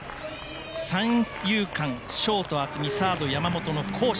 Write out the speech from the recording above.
三遊間、ショート、渥美サード、山本の好守。